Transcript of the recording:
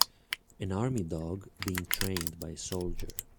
An Army dog being trained by a soldier.